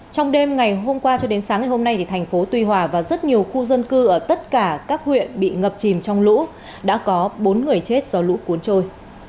trong đêm ngày hôm qua cho đến sáng ngày hôm nay thành phố tuy hòa và rất nhiều khu dân cư ở tất cả các huyện bị ngập chìm trong lũ đã có bốn người chết do lũ cuốn trôi